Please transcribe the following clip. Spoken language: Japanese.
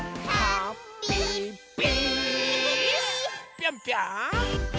ぴょんぴょん！